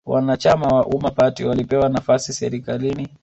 Wanachama wa Umma party walipewa nafasi serikalini